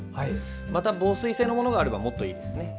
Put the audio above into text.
また防水性のものがあればもっといいですね。